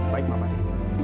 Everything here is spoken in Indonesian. baik mbak bati